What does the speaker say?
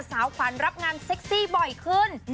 สาวขวัญรับงานเซ็กซี่บ่อยขึ้น